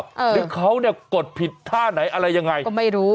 หรือเขาเนี่ยกดผิดท่าไหนอะไรยังไงก็ไม่รู้